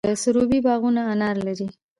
د سروبي باغونه انار لري.